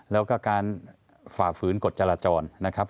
แล้วก็การฝ่าฝืนกฎจราจรนะครับ